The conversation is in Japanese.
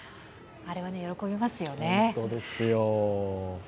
あれは喜びますよね。